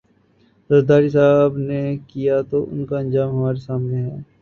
زرداری صاحب نے کیا تو ان کا انجام ہمارے سامنے ہے۔